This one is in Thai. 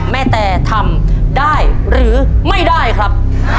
แตทำได้หรือไม่ได้ครับ